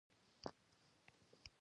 نن غټ زیان؛ خوښي په غم بدله شوه.